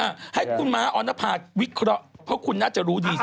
ให้คุณม้าออนภาวิเคราะห์เพราะคุณน่าจะรู้ดี